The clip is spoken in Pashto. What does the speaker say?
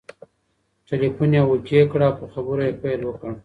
ټلیفون یې اوکې کړ او په خبرو یې پیل وکړ.